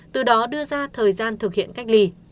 từ đó đưa ra thời gian thực hiện cách ly